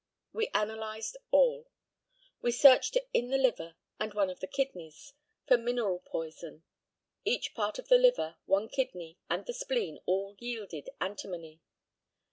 We analysed all. We searched in the liver and one of the kidneys for mineral poison. Each part of the liver, one kidney, and the spleen, all yielded antimony.